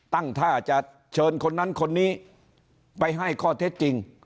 ตั้งท่าจะเชิญคนนั้นคนนี้ไปให้ข้อเท็จจริง